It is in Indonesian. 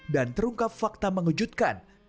dan terungkap fakta mengejutkan